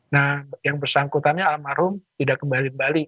nah yang bersangkutannya almarhum tidak kembali kembali